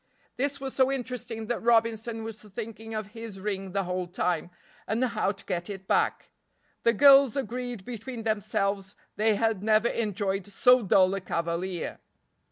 This was so interesting that Robinson was thinking of his ring the whole time, and how to get it back. The girls agreed between themselves they had never enjoyed so dull a cavalier.